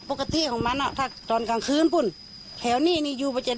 ปกติของมันอ่ะถ้าตอนกลางคืนปุ่นแถวนี้นี่อยู่ประเจ็ด